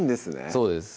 そうです